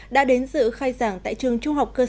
đã đến dự khai giảng tại trường trung học cơ sở